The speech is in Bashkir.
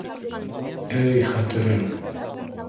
Эй хәтерең!